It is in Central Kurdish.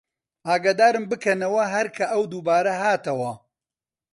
ئاگەدارم بکەنەوە هەر کە ئەو دووبارە هاتەوە